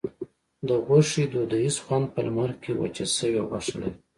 د غوښې دودیز خوند په لمر کې وچه شوې غوښه لري.